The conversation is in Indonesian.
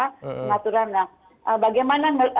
pengaturan nah bagaimana